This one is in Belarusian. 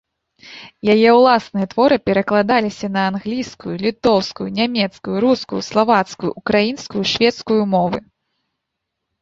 Яе ўласныя творы перакладаліся на англійскую, літоўскую, нямецкую, рускую, славацкую, украінскую, шведскую мовы.